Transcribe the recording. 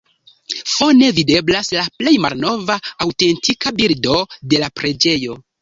Fone videblas la plej malnova aŭtentika bildo de la preĝejo.